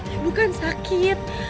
ibu kan sakit